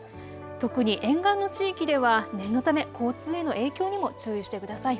特に沿岸の地域では念のため交通への影響にも注意してください。